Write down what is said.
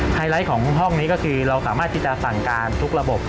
ไลท์ของห้องนี้ก็คือเราสามารถที่จะสั่งการทุกระบบ